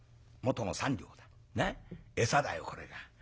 なっ餌だよこれが。